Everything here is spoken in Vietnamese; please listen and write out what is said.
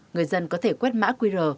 người dân có thể quét mã qr